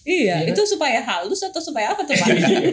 iya itu supaya halus atau supaya apa tuh pak